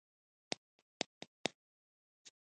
کرنه د کرنیزو محصولاتو د زیاتوالي لامل کېږي.